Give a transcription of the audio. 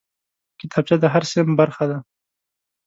کتابچه د هر صنف برخه ده